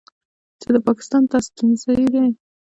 چې د پاکستان دا ستونځې